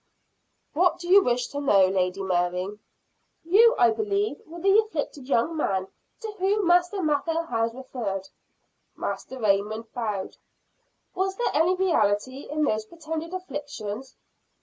"What do you wish to know, Lady Mary?" "You, I believe, were the afflicted young man, to whom Master Mather has referred?" Master Raymond bowed. "Was there any reality in those pretended afflictions?"